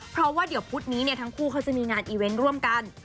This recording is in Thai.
เพราะว่าเดี๋ยวพุธนี้ทั้งคู่เขาจะมีงานอีเวนต์ร่วมกัน